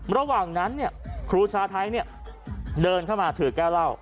ระหว่างนั้นเนี่ยครูชาไทยเนี่ยเดินเข้ามาถือแก้วเล่า